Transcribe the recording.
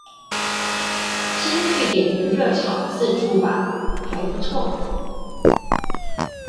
星聚點的熱炒自助吧還不錯